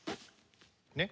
ねっ？